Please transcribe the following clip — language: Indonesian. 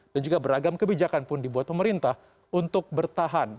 dan juga beragam kebijakan pun dibuat pemerintah untuk bertahan